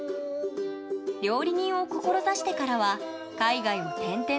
料理人を志してからは海外を転々と修業。